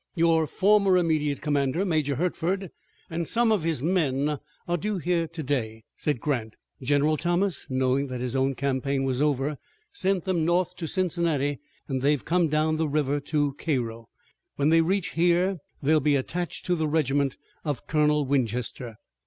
"Your former immediate commander, Major Hertford, and some of his men are due here today," said Grant. "General Thomas, knowing that his own campaign was over, sent them north to Cincinnati and they have come down the river to Cairo. When they reach here they will be attached to the regiment of Colonel Winchester."